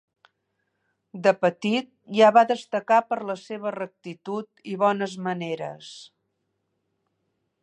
De petit, ja va destacar per la seva rectitud i bones maneres.